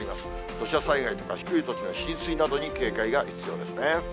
土砂災害とか低い土地の浸水などに警戒が必要ですね。